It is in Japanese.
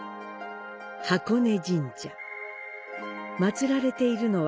箱根神社。